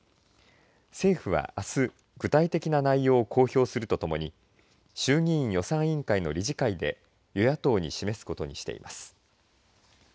政府はあす、具体的な内容を公表するとともに衆議院予算委員会の理事会で与野党に示すことにしています。